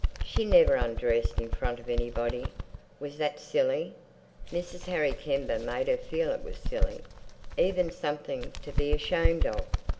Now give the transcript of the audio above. She never undressed in front of anybody. Was that silly? Mrs. Harry Kember made her feel it was silly, even something to be ashamed of.